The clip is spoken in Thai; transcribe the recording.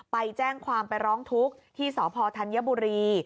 ไปแจ้งความไปร้องทุกข์ที่สพธัญบุรี